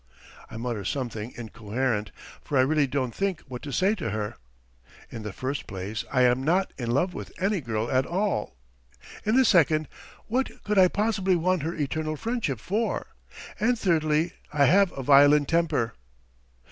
I mutter something incoherent, for I really can't think what to say to her. In the first place, I'm not in love with any girl at all; in the second, what could I possibly want her eternal friendship for? and, thirdly, I have a violent temper.